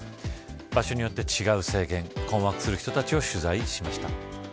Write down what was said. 場所によって違う制限困惑する人たちを取材しました。